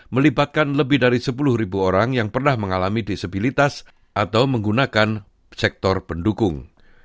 melibatkan lebih dari sepuluh orang yang pernah mengalami disabilitas atau menggunakan sektor pendukung